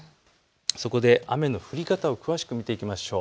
そこで雨の降り方、詳しく見ていきましょう。